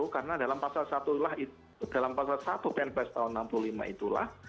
karena dalam pasal satu pnps tahun seribu sembilan ratus enam puluh lima itulah